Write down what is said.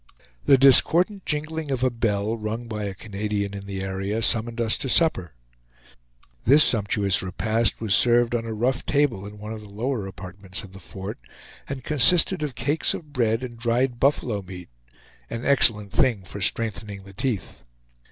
The discordant jingling of a bell, rung by a Canadian in the area, summoned us to supper. This sumptuous repast was served on a rough table in one of the lower apartments of the fort, and consisted of cakes of bread and dried buffalo meat an excellent thing for strengthening the teeth.